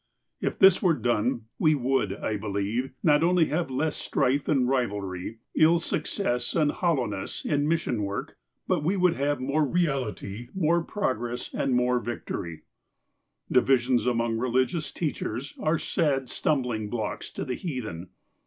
" If this were done, we would, I believe, not only have less strife and rivalry, ill success and hoUowness, in mission work, but we would have more reality, more progress, and more victory, "Divisions among religious teachers are sad stumbling blocks to the heathen.